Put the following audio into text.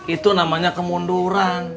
itu namanya kemunduran